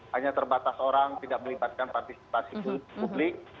hanya terbatas orang tidak melibatkan partisipasi publik